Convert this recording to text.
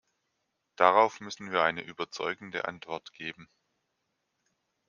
Darauf müssen wir eine überzeugende Antwort geben.